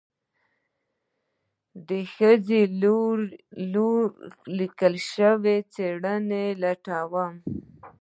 د ښځې لوري ليکل شوي څېړنې لټوم